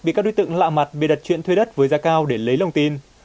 bị các đối tượng lạ mặt bị đặt chuyện thuê đất với giá cao để lấy lông tin